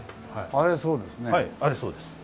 あれそうです。